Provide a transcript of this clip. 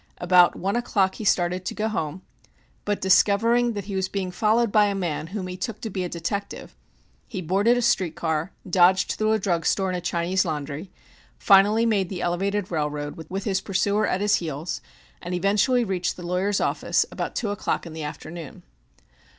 About one o'clock he started to go home, but discovering that he was being followed by a man whom he took to be a detective, he boarded a street car, dodged through a drug store and a Chinese laundry, finally made the elevated railroad, with his pursuer at his heels, and eventually reached the lawyer's office about two o'clock in the afternoon.